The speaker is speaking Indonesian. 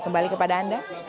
kembali kepada anda